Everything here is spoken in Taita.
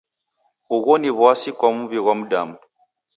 Ugho ni w'asi kwa muw'I ghwa mdamu.